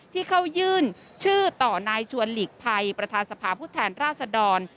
ที่เข้ายื่นชื่อต่อนายชวนหลีกภัยประธานสภาพุทธแทนราษดร